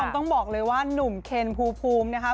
ต้องบอกเลยว่านุ่มเคนภูมินะคะ